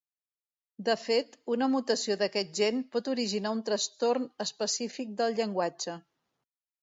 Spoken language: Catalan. De fet, una mutació d'aquest gen pot originar un trastorn específic del llenguatge.